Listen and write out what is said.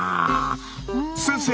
先生！